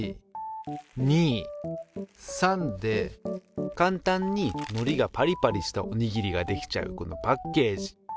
①②③で簡単にのりがパリパリしたおにぎりができちゃうこのパッケージ。